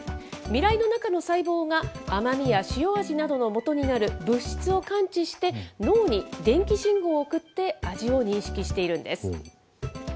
味らいの中の細胞が甘みや塩味などのもとになる物質を感知して、脳に電気信号を送って味を認識しているんです。